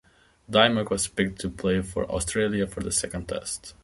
Dymock was picked to play for Australia for the second test.